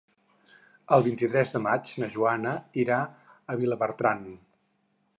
El vint-i-tres de maig na Joana irà a Vilabertran.